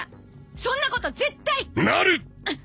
そんなこと絶対なる！